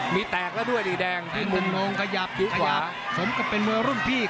มีแตกแล้วด้วยดีแดงมุมมงขยับสมกับเป็นมือรุ่นพี่